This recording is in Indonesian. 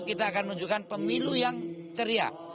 kita akan menunjukkan pemilu yang ceria